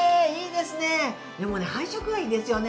でもね配色がいいですよね。